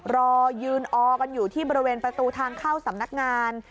รอยืนออกันอยู่ที่บริเวณประตูทางเข้าสำนักงาน